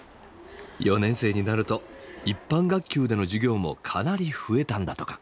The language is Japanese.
４年生になると一般学級での授業もかなり増えたんだとか。